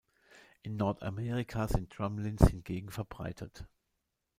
In Nordamerika sind Drumlins hingegen verbreitet.